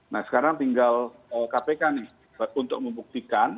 nah sekarang tinggal kpk nih untuk membuktikan